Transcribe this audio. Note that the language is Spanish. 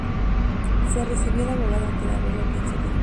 Se recibió de abogado ante la Real Audiencia de Lima.